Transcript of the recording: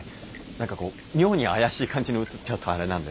何かこう妙に怪しい感じに映っちゃうとあれなんで。